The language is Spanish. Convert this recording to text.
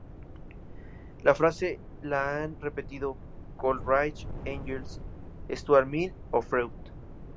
La frase la han repetido Coleridge, Engels, Stuart Mill o Freud.